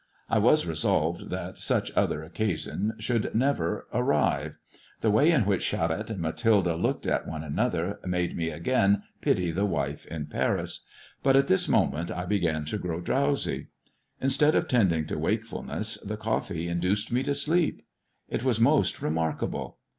I was resolved that such other occasion should never arrive. The way in which Charette and Mathilde looked at one another made me again pity the wife in Paris. But at this moment I began to grow drowsy. Instead of tending to wakefulness, the coffee induced me to sleep. It was most remarkable.